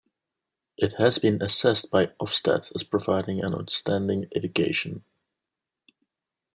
It has been assessed by Ofsted as providing an outstanding education.